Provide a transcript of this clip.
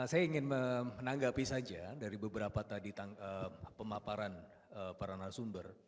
saya ingin menanggapi saja dari beberapa tadi pemaparan para narasumber